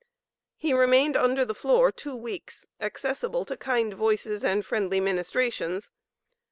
He remained under the floor two weeks, accessible to kind voices and friendly ministrations.